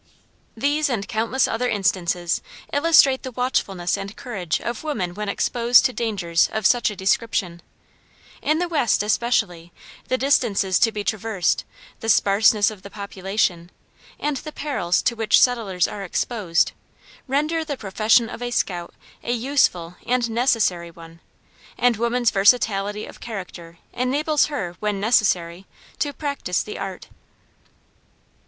These and countless other instances illustrate the watchfulness and courage of woman when exposed to dangers of such a description. In the west especially, the distances to be traversed, the sparseness of the population, and the perils to which settlers are exposed, render the profession of a scout a useful and necessary one, and woman's versatility of character enables her, when necessary, to practice the art.